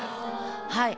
はい。